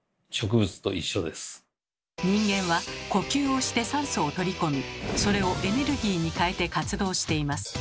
人間は呼吸をして酸素を取り込みそれをエネルギーに変えて活動しています。